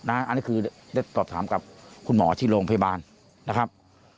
อันนี้คือได้สอบถามกับคุณหมอที่โรงพยาบาลนะครับ